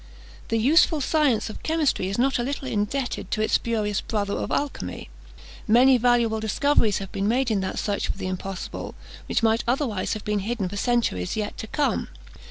The useful science of chemistry is not a little indebted to its spurious brother of alchymy. Many valuable discoveries have been made in that search for the impossible, which might otherwise have been hidden for centuries yet to come.